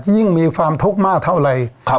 ยิ่งมีความทุกข์มากเท่าไร